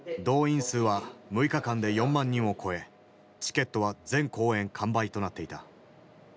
動員数は６日間で４万人を超えチケットは全公演完売となっていた。